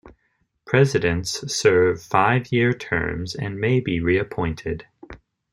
Presidents serve five-year terms and may be reappointed.